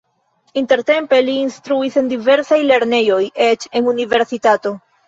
Intertempe li instruis en diversaj lernejoj, eĉ en universitato.